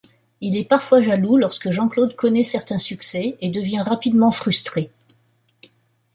Il est parfois jaloux lorsque Jean-Claude connait certains succès et devient rapidement frustré.